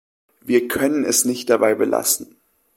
Wir können es nicht dabei belassen.